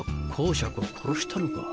侯爵を殺したのか？